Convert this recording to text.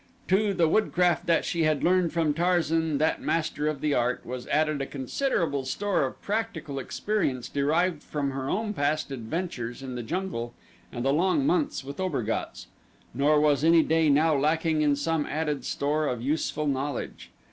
To the woodcraft that she had learned from Tarzan, that master of the art, was added a considerable store of practical experience derived from her own past adventures in the jungle and the long months with Obergatz, nor was any day now lacking in some added store of useful knowledge.